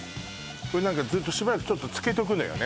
これ何かずっとしばらくちょっとつけとくのよね